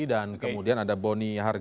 dan kemudian ada bonnie hargens